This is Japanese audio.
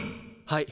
はい。